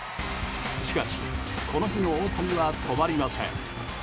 しかし、この日の大谷は止まりません。